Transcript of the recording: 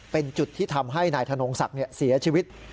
เป็นจุดที่ทำให้นายธนงศักดิ์เสียชีวิต